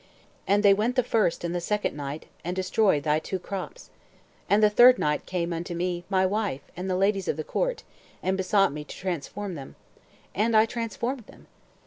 And they went the first and the second night, and destroyed thy two crops. And the third night came unto me my wife and the ladies of the court, and besought me to transform them. And I transformed them.